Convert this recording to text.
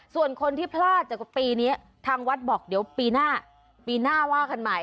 ส่วนคนที่พลาดจากปีนี้ทางวัดบอกเดี๋ยวปีหน้าปีหน้าว่ากันใหม่